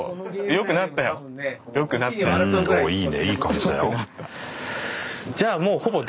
うんおっいいねいい感じだよ。